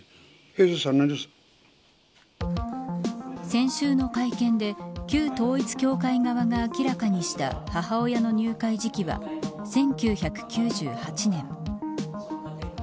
先週の会見で旧統一教会側が明らかにした母親の入会時期は１９９８年。